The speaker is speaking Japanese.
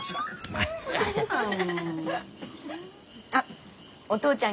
あっお父ちゃん